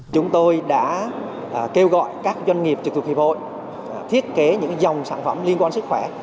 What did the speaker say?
chúng tôi đã kêu gọi các doanh nghiệp trực thuộc hiệp hội thiết kế những dòng sản phẩm liên quan sức khỏe